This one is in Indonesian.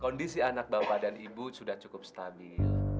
kondisi anak bapak dan ibu sudah cukup stabil